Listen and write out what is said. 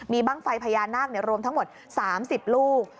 มีบ้างไฟพญานาครวมทั้งหมด๓๐ลูก